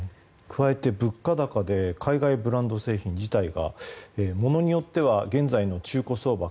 加えて物価高で海外ブランド製品自体がものによっては現在の中古相場